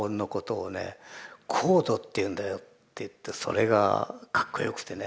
コードって言うんだよ」って言ってそれがかっこよくてね